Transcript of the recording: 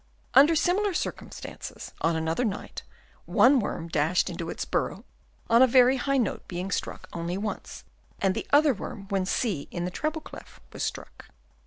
Under similar circumstances on another night one worm dashed into its burrow on a very high note being struck only once, and the other worm when C in the treble clef was struck.